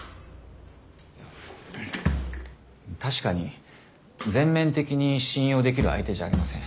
確かに全面的に信用できる相手じゃありません。